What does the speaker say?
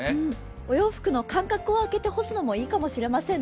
お洋服の間隔を開けて干すのもいいかもしれませんね。